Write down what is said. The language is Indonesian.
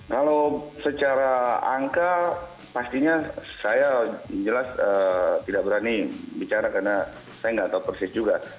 kalau secara angka pastinya saya jelas tidak berani bicara karena saya nggak tahu persis juga